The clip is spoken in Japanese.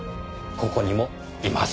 ここにもいません。